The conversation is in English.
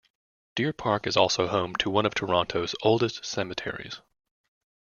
Deer Park is also home to one of Toronto's oldest cemeteries.